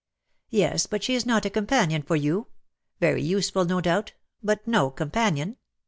"Yes, but she is not a companion for you. Veiy useful, no doubt, but no companion."